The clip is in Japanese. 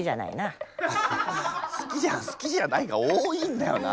好きじゃ好きじゃないが多いんだよな